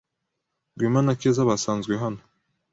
Rwema na Keza basanzwe hano.